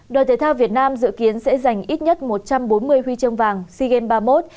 đoàn thể thao việt nam dự kiến sẽ giành ít nhất một trăm bốn mươi huy chương vàng sea games ba mươi một